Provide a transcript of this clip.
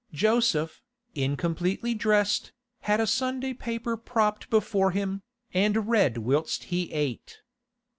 Joseph, incompletely dressed, had a Sunday paper propped before him, and read whilst he ate.